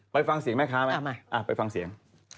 ไปฟังเสียงแม่ค้าไหมไปฟังเสียง